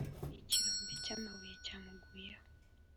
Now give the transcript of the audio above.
Ikirombe cyamabuye cyamuguyeho